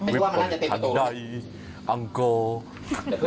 วิบบทันใดอังกษ์